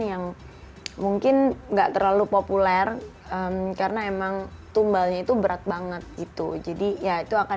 yang mungkin nggak terlalu populer karena emang tumbalnya itu berat banget itu jadi ya itu akan